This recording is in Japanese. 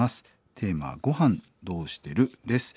テーマは「ごはんどうしてる？」です。